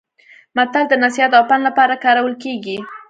متل د نصيحت او پند لپاره کارول کیږي